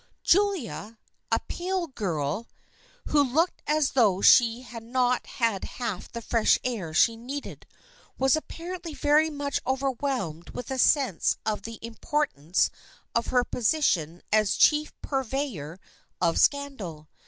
Julia, a pale girl, who looked as though she had not had half the fresh air she needed, was appar ently very much overwhelmed with a sense of the importance of her position as chief purveyor of scandal.